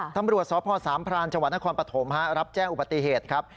ธรรมรวชสศสามพรานจนครปฐมรับแจ้งอุบัติเหตุครับ